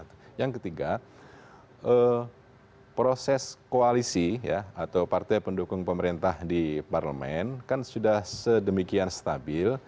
dan yang ketiga proses koalisi atau partai pendukung pemerintah di parlement kan sudah sedemikian stabil